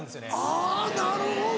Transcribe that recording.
あぁなるほど！